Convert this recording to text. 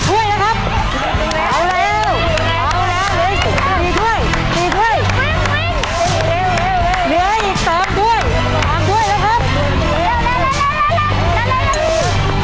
โอ้ยเร็วเร็วเร็วเร็ว